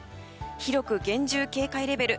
広く厳重警戒レベル。